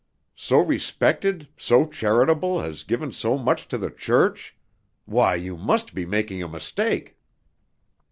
So respected, so charitable, has given so much to the church! Why, you must be making a mistake."